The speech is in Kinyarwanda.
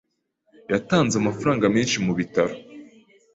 Yatanze amafaranga menshi mubitaro.